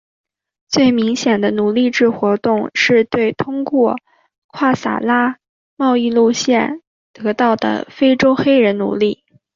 最明显的奴隶制活动是对通过跨撒哈拉贸易路线得到的非洲黑人的奴役。